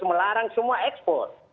melarang semua ekspor